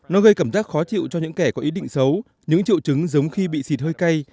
nó gây cảm giác khó chịu cho những kẻ có ý định xấu những triệu chứng giống khi bị xịt hơi cay